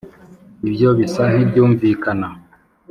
ibyo bisa nkibyumvikana